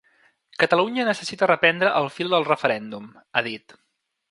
“Catalunya necessita reprendre el fil del referèndum”, ha dit.